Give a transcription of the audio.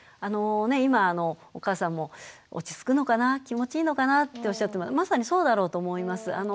今お母さんも落ち着くのかな気持ちいいのかなっておっしゃってましたがまさにそうだろうと思います。